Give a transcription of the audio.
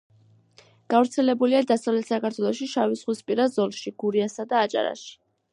გავრცელებულია დასავლეთ საქართველოს შავიზღვისპირა ზოლში, გურიასა და აჭარაში.